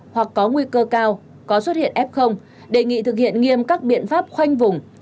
hoặc có nguy cơ cao có xuất hiện f đề nghị thực hiện nghiêm các biện pháp khoanh vùng